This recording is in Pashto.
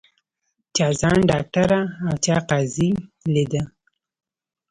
چا ځان ډاکټره او چا قاضي لیده